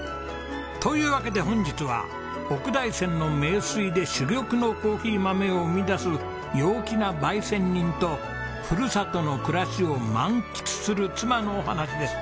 というわけで本日は奥大山の名水で珠玉のコーヒー豆を生み出す陽気な焙煎人とふるさとの暮らしを満喫する妻のお話です。